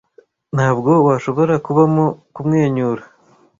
Ntabwo washobora kubamo kumwenyura,